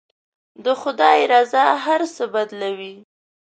د خدای رضا هر څه بدلوي.